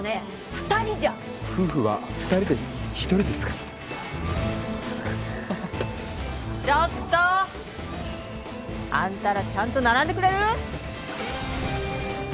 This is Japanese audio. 二人じゃん夫婦は二人で一人ですからちょっとあんたらちゃんと並んでくれる！？